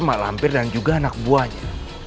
mak lampir dan juga anak buahnya